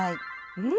うん！